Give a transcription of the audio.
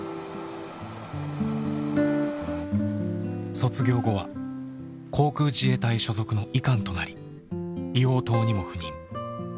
卒業後は航空自衛隊所属の医官となり硫黄島にも赴任。